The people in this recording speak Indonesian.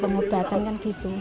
pengobatan kan gitu